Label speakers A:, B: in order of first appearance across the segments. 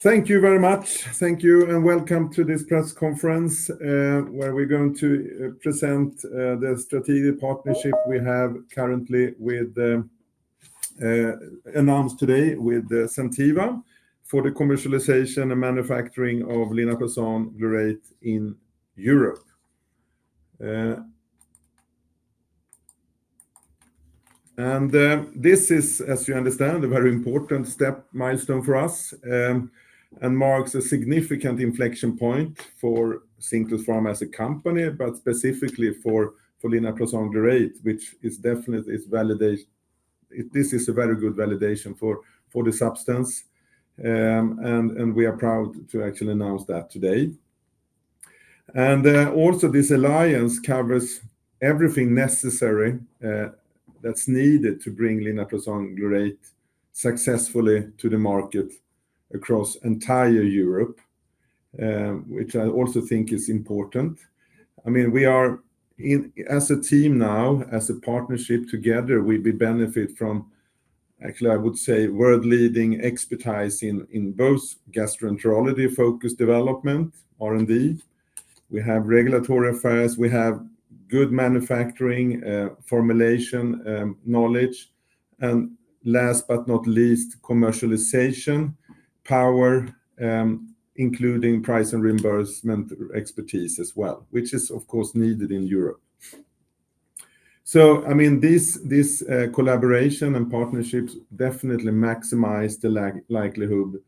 A: Thank you very much. Thank you, and welcome to this press conference where we're going to present the strategic partnership we have currently announced today with Zentiva for the commercialization and manufacturing of linaprazan glurate in Europe. This is, as you understand, a very important step, milestone for us, and marks a significant inflection point for Cinclus Pharma as a company, but specifically for linaprazan glurate, which is definitely its validation. This is a very good validation for the substance, and we are proud to actually announce that today. Also, this alliance covers everything necessary that's needed to bring linaprazan glurate successfully to the market across entire Europe, which I also think is important. I mean, we are, as a team now, as a partnership together, we benefit from, actually, I would say, world-leading expertise in both gastroenterology-focused development, R&D. We have regulatory affairs. We have good manufacturing formulation knowledge. Last but not least, commercialization power, including price and reimbursement expertise as well, which is, of course, needed in Europe. I mean, this collaboration and partnership definitely maximize the likelihood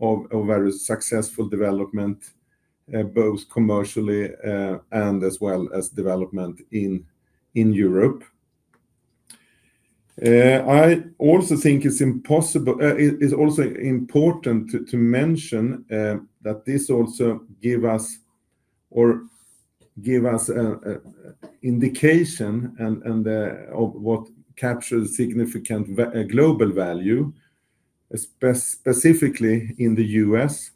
A: of a very successful development, both commercially and as well as development in Europe. I also think it's also important to mention that this also gives us or gives us an indication of what captures significant global value, specifically in the U.S.,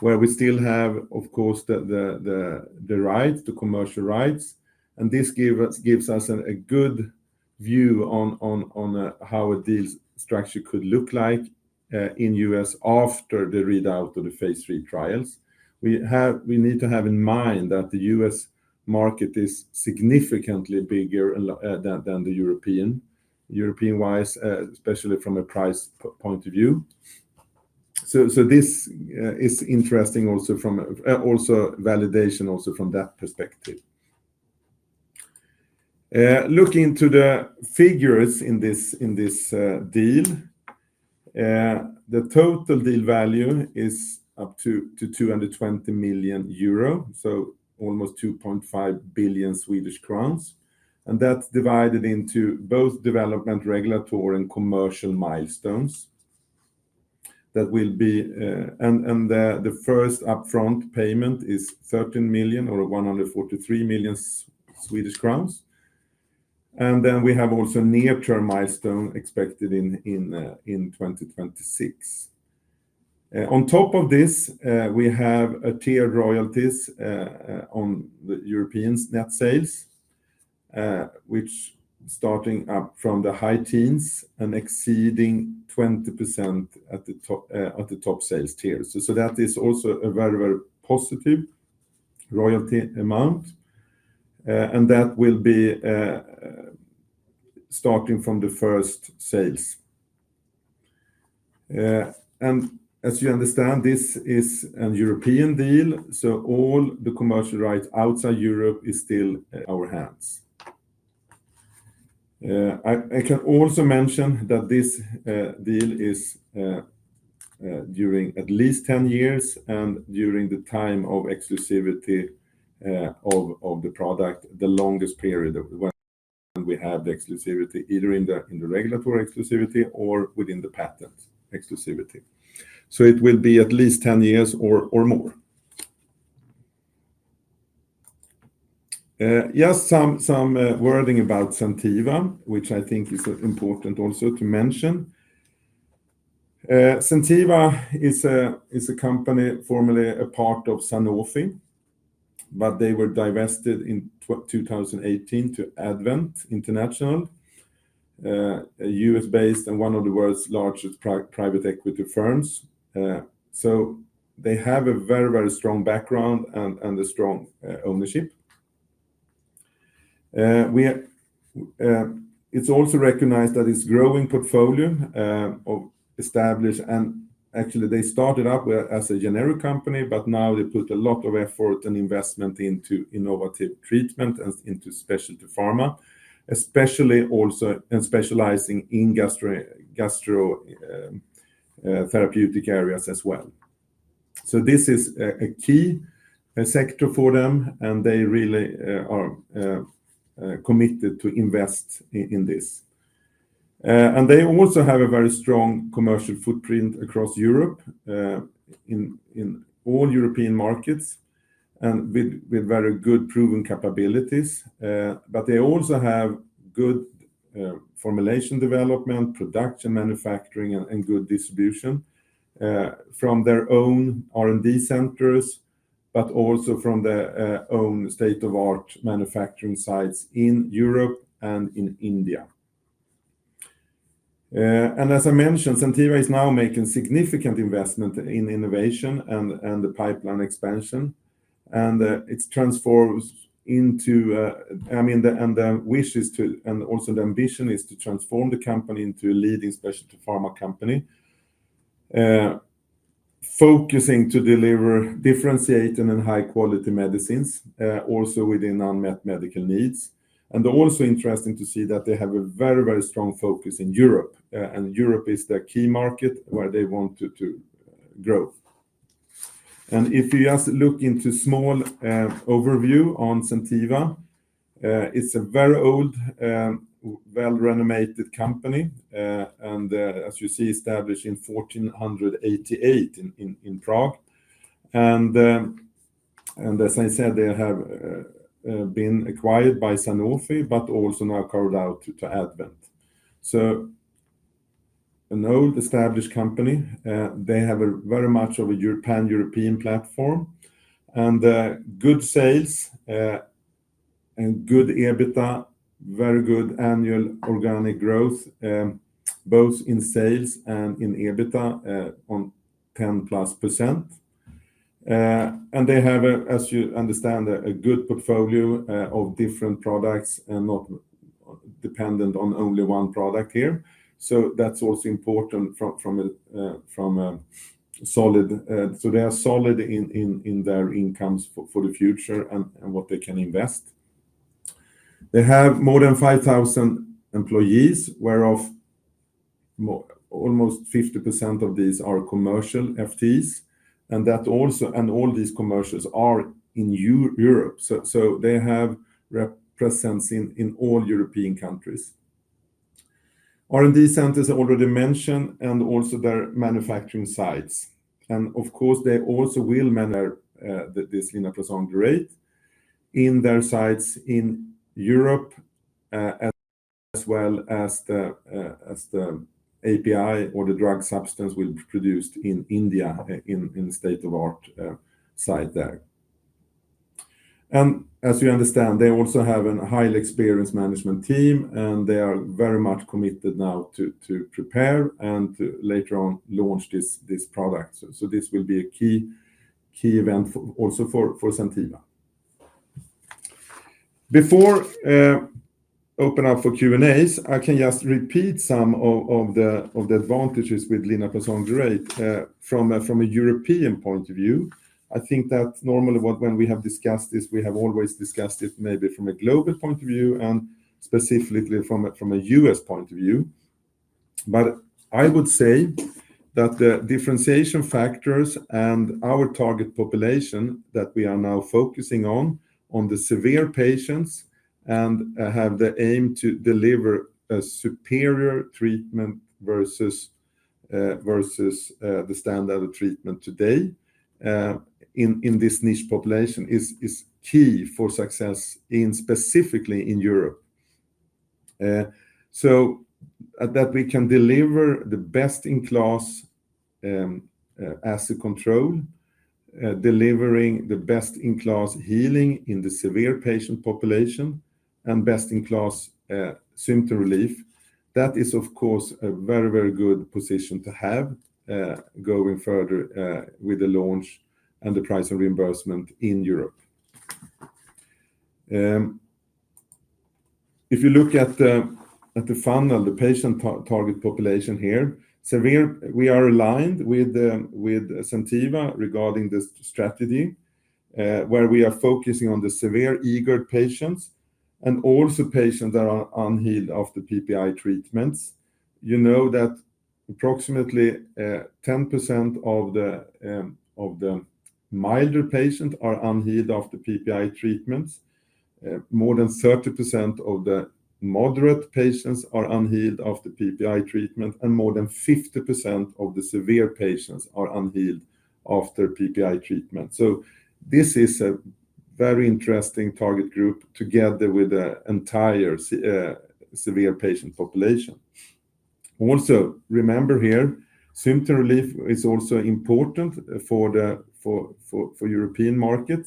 A: where we still have, of course, the rights, the commercial rights. This gives us a good view on how a deal structure could look like in the U.S. after the readout of the phase III trials. We need to have in mind that the U.S. market is significantly bigger than the European-wise, especially from a price point of view. This is interesting also from validation also from that perspective. Looking to the figures in this deal, the total deal value is up to 220 million euro, so almost 2.5 billion Swedish crowns. That is divided into both development, regulatory, and commercial milestones that will be. The first upfront payment is 13 million or 143 million Swedish crowns. Then we have also a near-term milestone expected in 2026. On top of this, we have tiered royalties on the European net sales, which are starting up from the high teens and exceeding 20% at the top sales tier. That is also a very, very positive royalty amount. That will be starting from the first sales. As you understand, this is a European deal. All the commercial rights outside Europe are still in our hands. I can also mention that this deal is during at least 10 years and during the time of exclusivity of the product, the longest period when we have the exclusivity, either in the regulatory exclusivity or within the patent exclusivity. It will be at least 10 years or more. Just some wording about Zentiva, which I think is important also to mention. Zentiva is a company, formerly a part of Sanofi, but they were divested in 2018 to Advent International, a U.S.-based and one of the world's largest private equity firms. They have a very, very strong background and a strong ownership. It's also recognized that it's a growing portfolio of established, and actually, they started up as a generic company, but now they put a lot of effort and investment into innovative treatment and into specialty pharma, especially also specializing in gastrotherapeutic areas as well. This is a key sector for them, and they really are committed to invest in this. They also have a very strong commercial footprint across Europe in all European markets and with very good proven capabilities. They also have good formulation development, production, manufacturing, and good distribution from their own R&D centers, but also from their own state-of-the-art manufacturing sites in Europe and in India. As I mentioned, Zentiva is now making significant investment in innovation and the pipeline expansion. It's transformed into, I mean, the wish is to, and also the ambition is to transform the company into a leading specialty pharma company, focusing to deliver differentiated and high-quality medicines also within unmet medical needs. Also interesting to see that they have a very, very strong focus in Europe. Europe is the key market where they want to grow. If you just look into a small overview on Zentiva, it's a very old, well-renowned company. As you see, established in 1488 in Prague. As I said, they have been acquired by Sanofi, but also now carried out to Advent. An old established company. They have very much of a pan-European platform. Good sales and good EBITDA, very good annual organic growth, both in sales and in EBITDA on 10+%. They have, as you understand, a good portfolio of different products and not dependent on only one product here. That's also important from a solid, so they are solid in their incomes for the future and what they can invest. They have more than 5,000 employees, whereof almost 50% of these are commercial FTEs. All these commercials are in Europe. They have representation in all European countries. R&D centers I already mentioned and also their manufacturing sites. Of course, they also will. Their linaprazan glurate in their sites in Europe, as well as the API or the drug substance will be produced in India in the state-of-the-art site there. As you understand, they also have a highly experienced management team, and they are very much committed now to prepare and to later on launch this product. This will be a key event also for Zentiva. Before opening up for Q&As, I can just repeat some of the advantages with linaprazan glurate from a European point of view. I think that normally when we have discussed this, we have always discussed it maybe from a global point of view and specifically from a U.S. point of view. I would say that the differentiation factors and our target population that we are now focusing on, on the severe patients and have the aim to deliver a superior treatment versus the standard of treatment today in this niche population is key for success specifically in Europe. That we can deliver the best-in-class acid control, delivering the best-in-class healing in the severe patient population and best-in-class symptom relief, that is, of course, a very, very good position to have going further with the launch and the price and reimbursement in Europe. If you look at the funnel, the patient target population here, we are aligned with Zentiva regarding this strategy where we are focusing on the severe GERD patients and also patients that are unhealed after PPI treatments. You know that approximately 10% of the milder patients are unhealed after PPI treatments. More than 30% of the moderate patients are unhealed after PPI treatment, and more than 50% of the severe patients are unhealed after PPI treatment. This is a very interesting target group together with the entire severe patient population. Also, remember here, symptom relief is also important for the European market.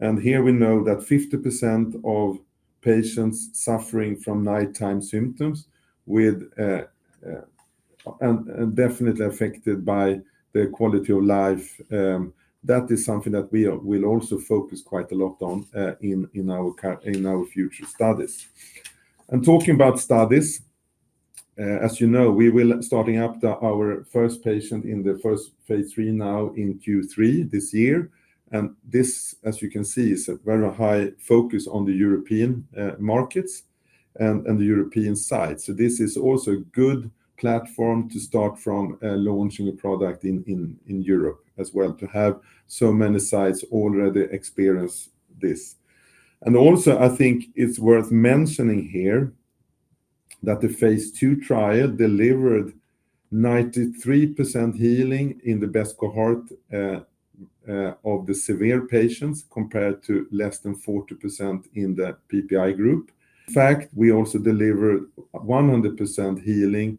A: Here we know that 50% of patients suffering from night-time symptoms and definitely affected by the quality of life, that is something that we will also focus quite a lot on in our future studies. Talking about studies, as you know, we will be starting up our first patient in the first phase III now in Q3 this year. This, as you can see, is a very high focus on the European markets and the European sites. This is also a good platform to start from launching a product in Europe as well, to have so many sites already experience this. I think it's worth mentioning here that the phase II trial delivered 93% healing in the best cohort of the severe patients compared to less than 40% in the PPI group. In fact, we also delivered 100% healing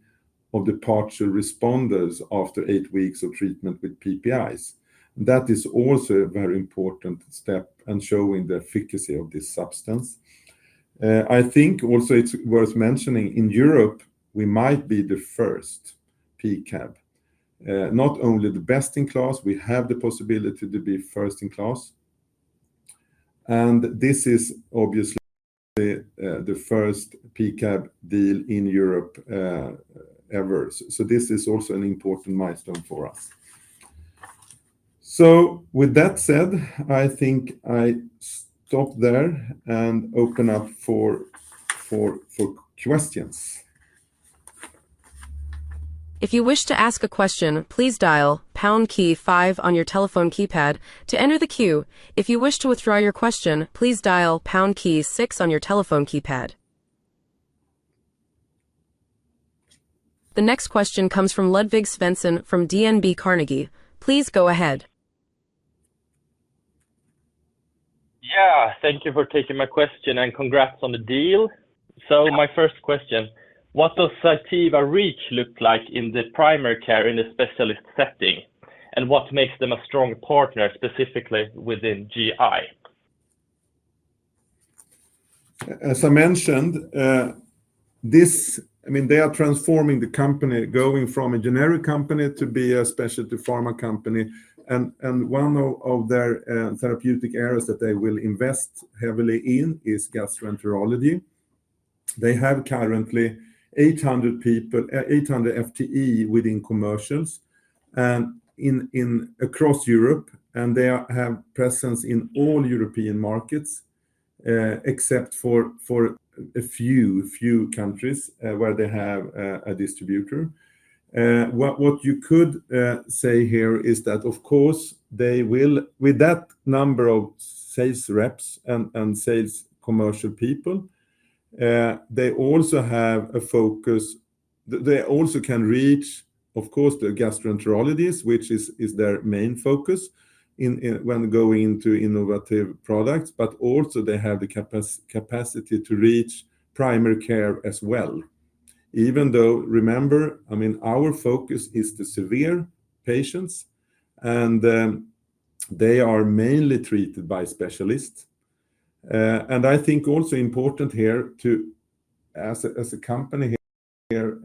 A: of the partial responders after eight weeks of treatment with PPIs. That is also a very important step and showing the efficacy of this substance. I think also it's worth mentioning in Europe, we might be the first PCAB, not only the best in class. We have the possibility to be first in class. This is obviously the first PCAB deal in Europe ever. This is also an important milestone for us. With that said, I think I stop there and open up for questions.
B: If you wish to ask a question, please dial pound key five on your telephone keypad to enter the queue. If you wish to withdraw your question, please dial pound key six on your telephone keypad. The next question comes from Ludvig Svensson from DNB Carnegie. Please go ahead.
C: Yeah, thank you for taking my question and congrats on the deal. My first question, what does Zentiva reach look like in the primary care in the specialist setting? What makes them a strong partner specifically within GI?
A: As I mentioned, I mean, they are transforming the company going from a generic company to be a specialty pharma company. One of their therapeutic areas that they will invest heavily in is gastroenterology. They have currently 800 FTE within commercials across Europe, and they have presence in all European markets except for a few countries where they have a distributor. What you could say here is that, of course, they will, with that number of sales reps and sales commercial people, they also have a focus. They also can reach, of course, the gastroenterologists, which is their main focus when going into innovative products, but also they have the capacity to reach primary care as well. Even though, remember, I mean, our focus is the severe patients, and they are mainly treated by specialists. I think also important here to, as a company here,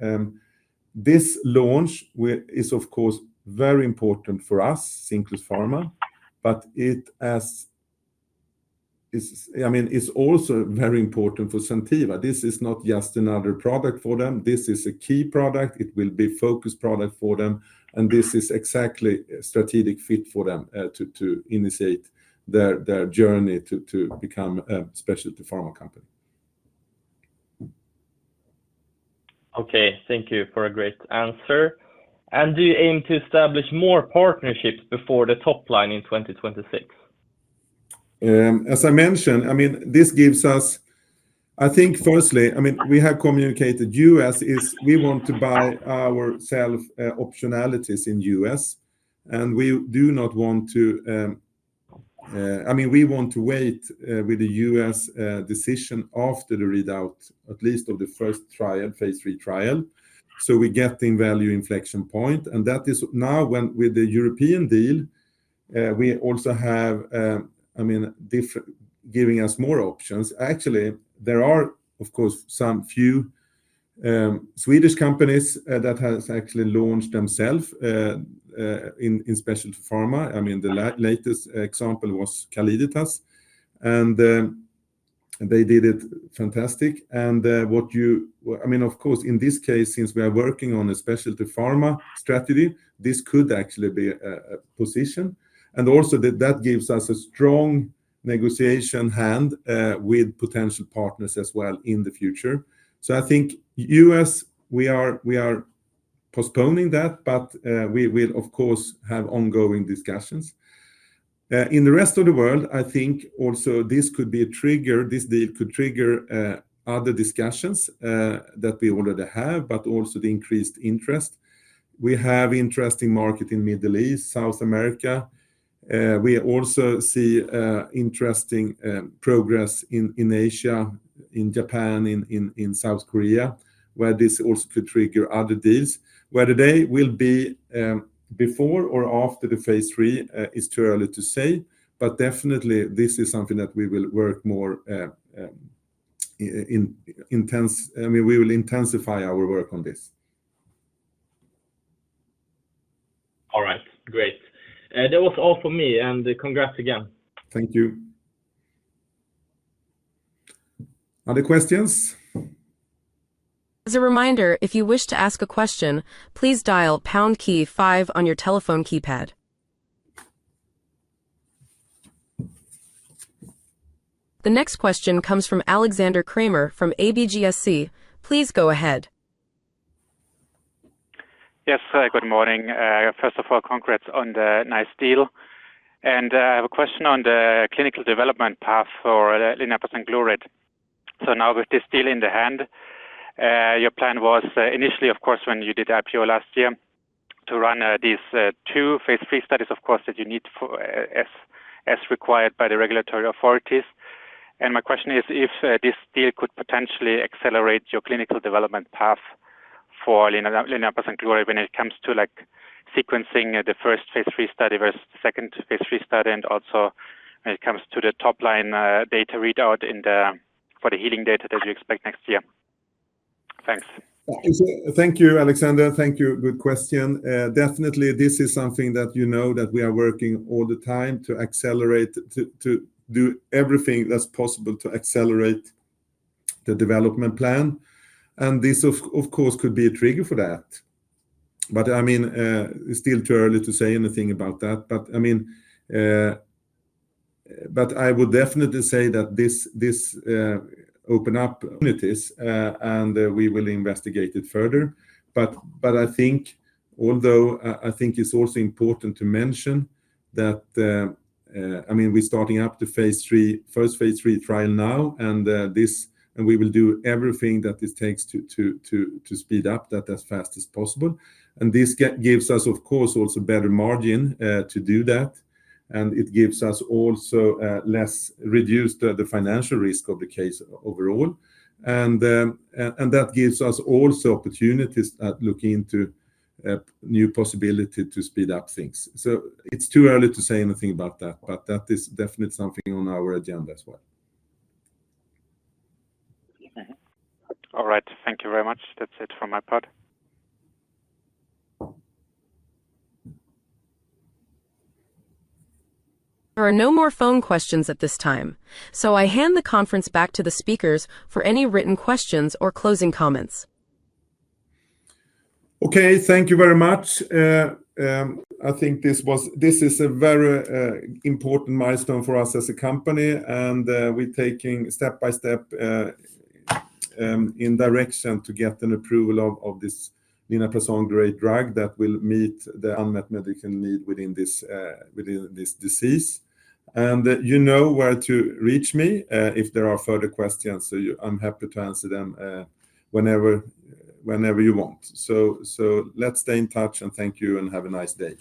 A: this launch is, of course, very important for us, Cinclus Pharma, but it, I mean, is also very important for Zentiva. This is not just another product for them. This is a key product. It will be a focus product for them. This is exactly a strategic fit for them to initiate their journey to become a specialty pharma company.
C: Okay, thank you for a great answer. Do you aim to establish more partnerships before the top line in 2026?
A: As I mentioned, I mean, this gives us, I think firstly, I mean, we have communicated to the U.S., we want to buy ourselves optionalities in the U.S. We do not want to, I mean, we want to wait with the US decision after the readout, at least of the first trial, phase III trial. We get in value inflection point. That is now when with the European deal, we also have, I mean, giving us more options. Actually, there are, of course, some few Swedish companies that have actually launched themselves in specialty pharma. I mean, the latest example was Caliditas. They did it fantastic. What you, I mean, of course, in this case, since we are working on a specialty pharma strategy, this could actually be a position. Also, that gives us a strong negotiation hand with potential partners as well in the future. I think U.S., we are postponing that, but we will, of course, have ongoing discussions. In the rest of the world, I think also this could be a trigger, this deal could trigger other discussions that we already have, but also the increased interest. We have interesting market in the Middle East, South America. We also see interesting progress in Asia, in Japan, in South Korea, where this also could trigger other deals. Whether they will be before or after the phase III is too early to say, but definitely this is something that we will work more intense, I mean, we will intensify our work on this.
C: All right, great. That was all for me, and congrats again.
A: Thank you. Other questions?
B: As a reminder, if you wish to ask a question, please dial pound key five on your telephone keypad. The next question comes from Alexander Kramer from ABGSC. Please go ahead.
D: Yes, good morning. First of all, congrats on the nice deal. And I have a question on the clinical development path for linaprazan glurate. So now with this deal in the hand, your plan was initially, of course, when you did IPO last year to run these two phase III studies, of course, that you need as required by the regulatory authorities. My question is if this deal could potentially accelerate your clinical development path for linaprazan glurate when it comes to sequencing the first phase III study versus the second phase III study, and also when it comes to the top line data readout for the healing data that you expect next year. Thanks.
A: Thank you, Alexander. Thank you. Good question. Definitely, this is something that you know that we are working all the time to accelerate, to do everything that's possible to accelerate the development plan. This, of course, could be a trigger for that. I mean, it's still too early to say anything about that. I would definitely say that this opened up. It is, and we will investigate it further. I think, although I think it's also important to mention that, I mean, we're starting up the first phase III trial now, and we will do everything that it takes to speed up that as fast as possible. This gives us, of course, also better margin to do that. It gives us also less, reduced the financial risk of the case overall. That gives us also opportunities at looking into new possibilities to speed up things. It's too early to say anything about that, but that is definitely something on our agenda as well.
D: All right. Thank you very much. That's it from my part.
B: There are no more phone questions at this time. I hand the conference back to the speakers for any written questions or closing comments.
A: Okay, thank you very much. I think this is a very important milestone for us as a company. We're taking step by step in direction to get an approval of this linaprazan glurate drug that will meet the unmet medical need within this disease. You know where to reach me if there are further questions. I'm happy to answer them whenever you want. Let's stay in touch and thank you and have a nice day.